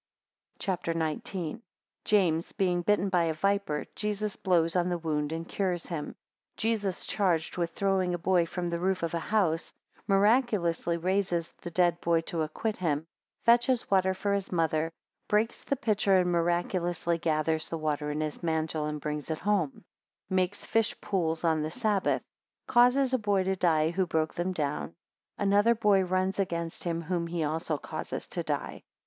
CHAPTER XIX. 1 James being bitten by a viper, Jesus blows on the wound and cures him. 4 Jesus charged with throwing a boy from the roof of a house, 10 miraculously raises the dead boy to acquit him; 12 fetches water for his mother, breaks the pitcher and miraculously gathers the water in his mantle and brings it home; 16 makes fish pools on the Sabbath, 20 causes a boy to die who broke them down, 22 another boy runs against him, whom he also causes to die.